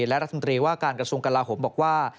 และรัฐมนตรีว่าการกระทรวงกลาโหมบอกว่า